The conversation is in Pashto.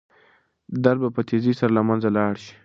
درد به په تېزۍ سره له منځه لاړ شي.